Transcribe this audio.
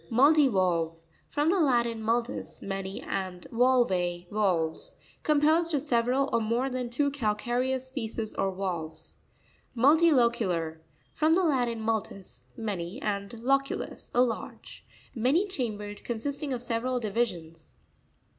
Mu'ttivaLtve. — From the Latin, multus, many, and valve, valves. Composed cf several, or more than two calcareous picces or valves. Mutti.o'cutar.—From the Latin, multus, many, and loculus, a lodge. Many chambered ; consisting of several divisions.